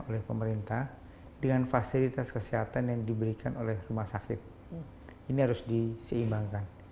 oleh pemerintah dengan fasilitas kesehatan yang diberikan oleh rumah sakit ini harus diseimbangkan